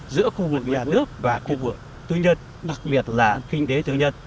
giữa khu vực nhà nước và khu vực tư nhân đặc biệt là kinh tế tư nhân